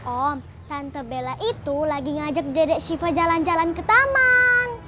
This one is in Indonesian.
om tante bela itu lagi ngajak dedek shiva jalan jalan ke taman